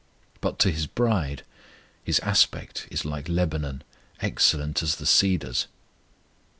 But to His bride "His aspect is like Lebanon, excellent as the cedars."